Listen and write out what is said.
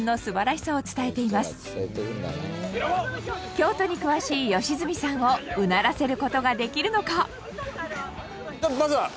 京都に詳しい良純さんをうならせる事ができるのか？